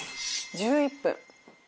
１１分。